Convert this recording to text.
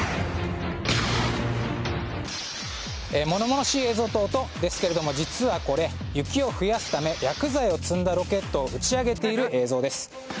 物々しい映像と音ですが実はこれ、雪を増やすため薬剤を積んだロケットを打ち上げている映像です。